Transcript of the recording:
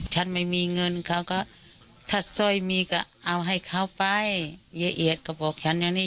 ฉันไม่มีเงินเขาก็ถ้าสร้อยมีก็เอาให้เขาไปเย้เอียดก็บอกฉันอย่างนี้